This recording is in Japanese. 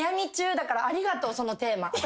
だからありがとうそのテーマ。